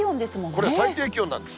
これ、最低気温なんです。